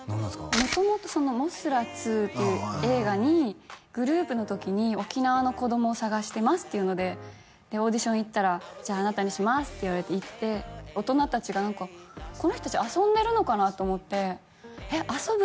元々「モスラ２」っていう映画にグループの時に沖縄の子供を探してますっていうのでオーディション行ったらじゃああなたにしますって言われて行って大人達が何かこの人達遊んでるのかなと思ってえっ遊ぶ